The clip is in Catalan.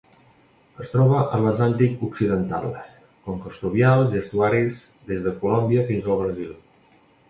Es troba a l'Atlàntic occidental: conques fluvials i estuaris des de Colòmbia fins al Brasil.